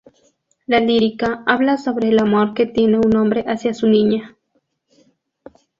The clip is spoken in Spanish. La lírica habla sobre el amor que tiene un hombre hacia su niña.